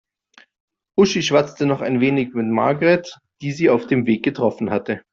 Uschi schwatzte noch ein wenig mit Margret, die sie auf dem Weg getroffen hatte.